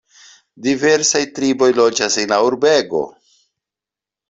Diversaj triboj loĝas en la urbego.